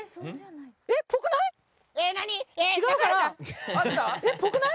っぽくない？